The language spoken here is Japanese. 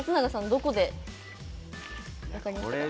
どこで分かりましたか？